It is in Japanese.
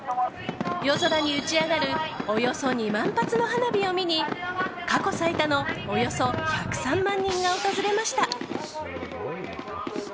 夜空に打ち上がるおよそ２万発の花火を見に過去最多のおよそ１０３万人が訪れました。